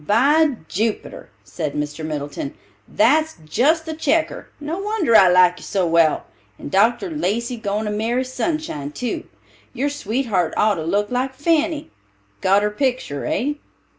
"By Jupiter!" said Mr. Middleton, "that's just the checker. No wonder I like you so well. And Dr. Lacey goin' to marry Sunshine, too. Your sweetheart ought to look like Fanny. Got her picter, hey?"